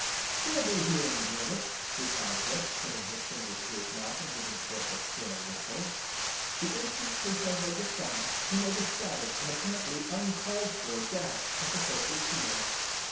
"He'll be here in a minute," replied Dick, putting his fingers to his mouth and giving forth a shrill whistle. The instant Crusoe heard the sound he made a savage and apparently uncalled for dash at the horse's heels.